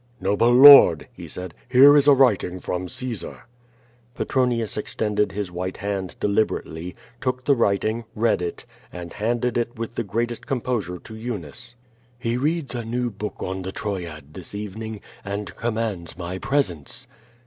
"Noble Lord," he said, "here is a writing from Caesar." Petronius extended his white hand deliberately, took the writing, read it, and handed it with the greatest composure to Eunice. "He reads a new book on the Troyad this evening, and commands my presence."